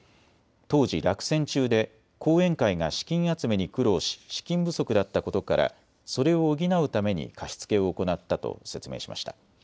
当時、落選中で後援会が資金集めに苦労し資金不足だったことからそれを補うために貸し付けを行ったと説明しました。